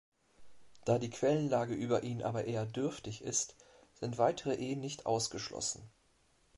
Da die Quellenlage über ihn aber eher dürftig ist, sind weitere Ehen nicht ausgeschlossen.